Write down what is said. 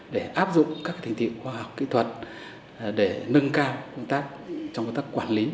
để áp dụng các thành tiệu khoa học kỹ thuật để nâng cao công tác trong công tác quản lý